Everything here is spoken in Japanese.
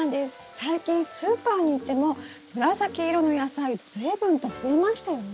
最近スーパーに行っても紫色の野菜随分と増えましたよね。